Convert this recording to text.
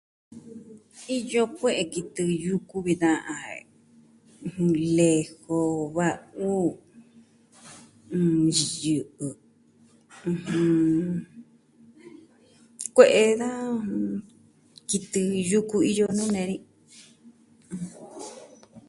Iyo kue'e kitɨ yuku vi da jen... lejo, va'u, yɨ'ɨ, ɨjɨn... kue'e da kitɨ yuku iyo nuu nee ni.